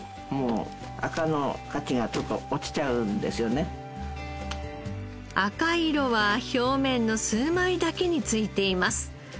もう赤い色は表面の数枚だけについています。